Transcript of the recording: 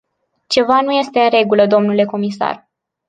Ceva nu este în regulă, dle comisar.